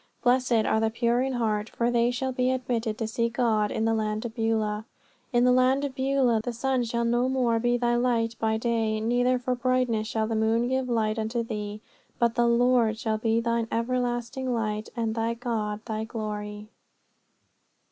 Blessed are the pure in heart, for they shall be admitted to see God in the land of Beulah. In the land of Beulah the sun shall no more be thy light by day, neither for brightness shall the moon give light unto thee; but the Lord shall be thine everlasting light, and thy God thy glory!